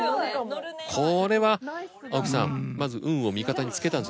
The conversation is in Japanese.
これは青木さんまず運を味方に付けたんじゃないですかね。